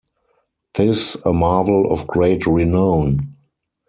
'Tis a marvel of great renown!